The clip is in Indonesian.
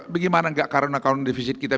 bagaimana enggak karena kondisi kita